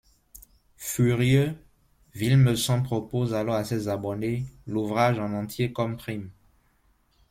Furieux, Villemessant propose alors à ses abonnés, l'ouvrage en entier comme prime.